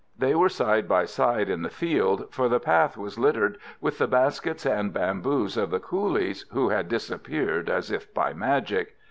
They were side by side in the field, for the path was littered with the baskets and bamboos of the coolies, who had disappeared as if by magic.